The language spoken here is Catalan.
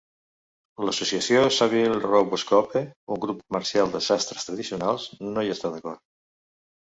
L'Associació Savile Row Bespoke, un grup comercial de sastres tradicionals, no hi està d'acord.